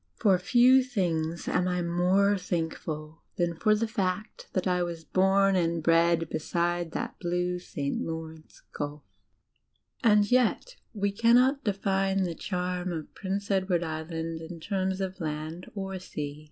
For few things am I more thankful than for the fact that I was bom and bred beside that blue St. Lawrence Gulf. And yet we cannot define the charm of Prince Edward Island in terms of land or sea.